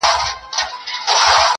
زموږ څه ژوند واخله~